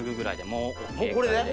もうこれで？